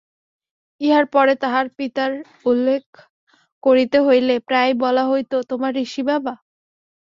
ইহার পরে তাহার পিতার উল্লেখ করিতে হইলে প্রায়ই বলা হইত, তোমার ঋষিবাবা!